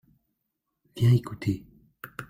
viens écouter.